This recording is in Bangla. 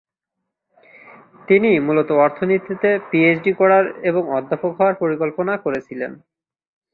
তিনি মূলত অর্থনীতিতে পিএইচডি করার এবং অধ্যাপক হওয়ার পরিকল্পনা করেছিলেন।